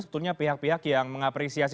sebetulnya pihak pihak yang mengapresiasi